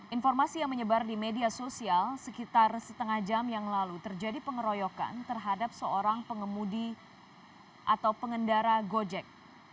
informasi yang menyebar di media sosial sekitar setengah jam yang lalu terjadi pengeroyokan terhadap seorang pengemudi atau pengendara gojek